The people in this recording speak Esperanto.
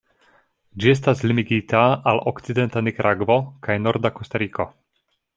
Ĝi estas limigita al okcidenta Nikaragvo kaj norda Kostariko.